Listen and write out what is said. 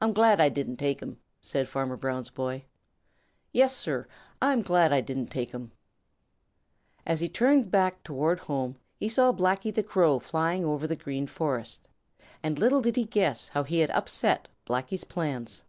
"I'm glad I didn't take 'em," said Farmer Brown's boy. "Yes, Sir, I'm glad I didn't take 'em." As he turned back toward home, he saw Blacky the Crow flying over the Green Forest, and little did he guess how he had upset Blacky's plans.